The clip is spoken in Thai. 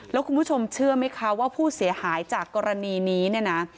แล้วคุณผู้ชมเชื่อไหมคะว่าผู้เสียหายจากกรณีนี้เนี่ยนะ